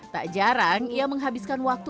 tak jarang ia menghabiskan waktu